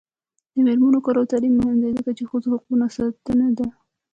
د میرمنو کار او تعلیم مهم دی ځکه چې ښځو حقونو ساتنه ده.